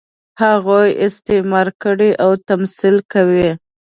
هغوی استثمار کړي او تمثیل کوي.